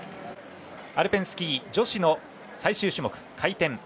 アルペンスキー女子の最終種目回転。